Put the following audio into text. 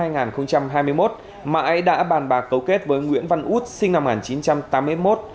năm hai nghìn hai mươi một mãi đã bàn bạc cấu kết với nguyễn văn út sinh năm một nghìn chín trăm tám mươi một